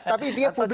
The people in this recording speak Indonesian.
tapi intinya publis